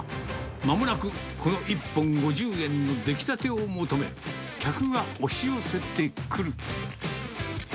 まもなくこの１本５０円の出来たてを求め、客が押し寄せてくる。